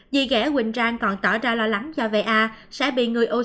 dị ghẻ quỳnh trang còn tỏ ra lo lắng do va sẽ bị người ô xin cho